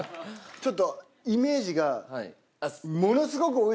ちょっとイメージが。